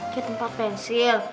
kita tempat pensil